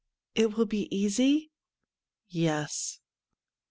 ' It will be easy .''' ^Yes.'